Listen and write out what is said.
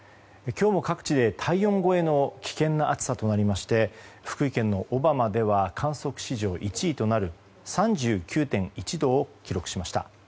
今日も各地で、体温超えの危険な暑さとなりまして福井県の小浜では観測史上１位となる３９．１度を記録しました。